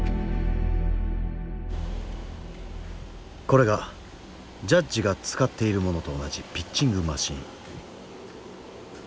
これがジャッジが使っているものと同じピッチングマシン。